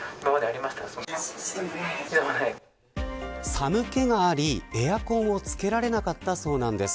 寒気がありエアコンをつけられなかったそうなんです。